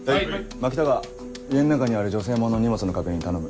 牧高家の中にある女性物の荷物の確認頼む。